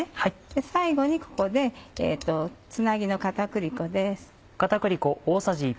最後にここでつなぎの片栗粉です。